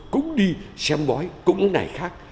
cũng đi xem bói cũng ngày khác